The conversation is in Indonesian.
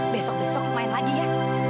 besok besok main lagi ya